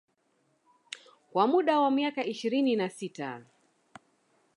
Kwa muda wa miaka ishirini na sita